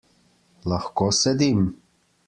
Lahko sedim?